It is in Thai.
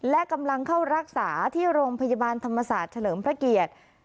และกำลังเข้ารักษาที่โรงพยาบาลธรรมศาสตร์เฉลิมพระเกียรติ